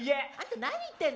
何やってんの！？